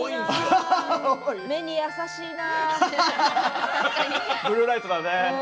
目に優しいな。